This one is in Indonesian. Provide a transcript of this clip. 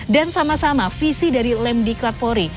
dan sama sama visi dari lem di klak polri